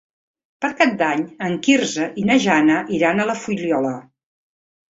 Per Cap d'Any en Quirze i na Jana iran a la Fuliola.